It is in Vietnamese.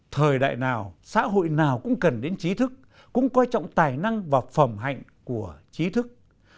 thời đại nào xã hội nào cũng cần đến chí thức cũng quan trọng tài năng và phẩm hạnh của chí thức